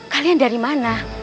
kalian dari mana